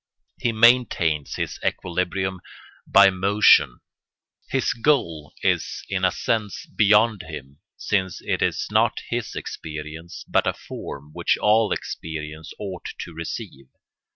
He maintains his equilibrium by motion. His goal is in a sense beyond him, since it is not his experience, but a form which all experience ought to receive.